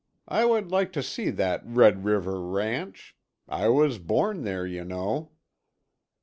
I would like to see that Red River ranch. I was born there, you know."